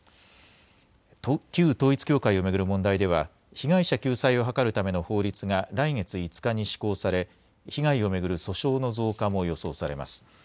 旧統一教会を巡る問題では、被害者救済を図るための方針が来月５日に施行され、被害を巡る訴訟の増加も予想されます。